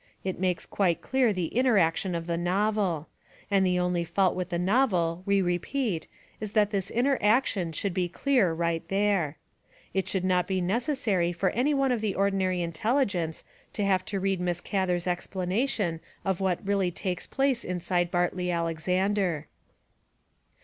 It makes quite clear the inner action of the novel. And the only WILLA SIBERT GATHER 263 fault with the novel, we repeat, is that this inner ac tion should be clear right there! It should not be necessary for any one of ordinary intelligence to have to read Miss Gather's explanation of what really takes place inside Bartley Alexander.